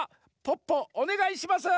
ポッポおねがいします！